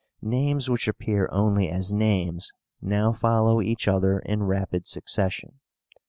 Names which appear only as names now follow each other in rapid succession.